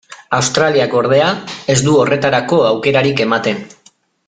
Australiak, ordea, ez du horretarako aukerarik ematen.